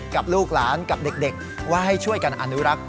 กับลูกหลานกับเด็กว่าให้ช่วยกันอนุรักษ์